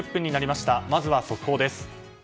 まずは速報です。